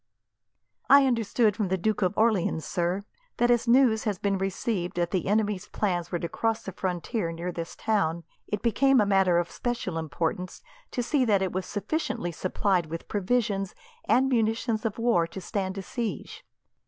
"I understood from the Duke of Orleans, sir, that as news has been received that the enemy's plans were to cross the frontier near this town, it became a matter of special importance to see that it was sufficiently supplied with provisions, and munitions of war to stand a siege.